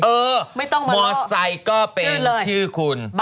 เออโมสไซค์ก็เป็นชื่อคุณ